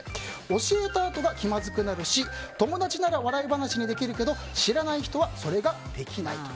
教えたあとが気まずくなるし友達なら笑い話にできるけど知らない人は、それができないと。